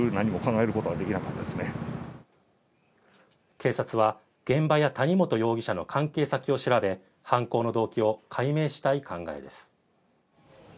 警察は現場や谷本容疑者の関係先を調べ犯行の動機を解明したい考えです。